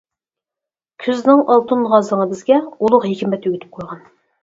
كۈزنىڭ ئالتۇن غازىڭى بىزگە، ئۇلۇغ ھېكمەت ئۆگىتىپ قويغان.